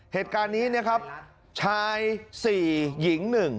เหตุการณ์นี้นะครับชาย๔หญิง๑